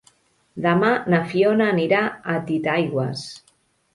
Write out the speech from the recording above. Demà na Fiona anirà a Titaigües.